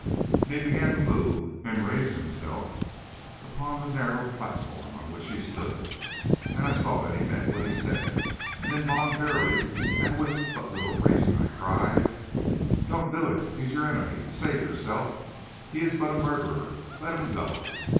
And he began to move and raise himself upon the narrow platform on which he stood, and I saw that he meant what he said, and involuntarily and with but little reason I cried: "'Don't do it! He is your enemy. Save yourself; he is but a murderer; let him go.'